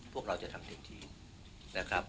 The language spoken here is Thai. พวกเราจะทำเต็มที่นะครับ